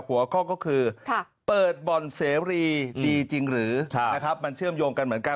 หัวข้อก็คือเปิดบ่อนเสรีดีจริงหรือนะครับมันเชื่อมโยงกันเหมือนกัน